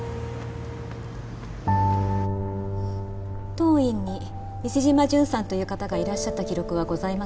当院に西島ジュンさんという方がいらっしゃった記録はございません。